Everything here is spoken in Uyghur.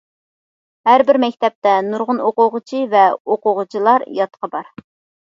ھەر بىر مەكتەپتە نۇرغۇن ئوقۇغۇچى ۋە ئوقۇغۇچىلار ياتىقى بار.